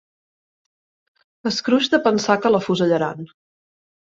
Escruix de pensar que l'afusellaran.